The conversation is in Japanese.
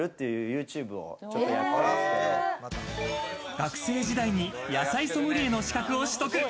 学生時代に野菜ソムリエの資格を取得。